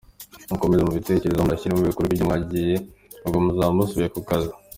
Mukomeze mubitekerezeho munashyire mu bikorwa ibyo mwahigiye ubwo muzaba musubiye mu kazi.